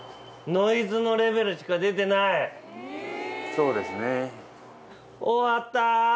そうですね。